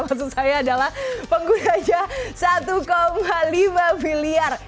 maksud saya adalah penggunanya satu lima miliar